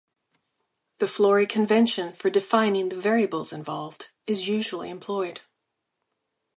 The Flory convention for defining the variables involved is usually employed.